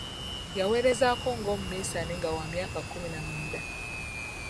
Yaweerezaako ng'omuminsani nga wa myaka kkumi na mwenda.